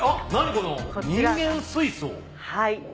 この「人間水槽」はい。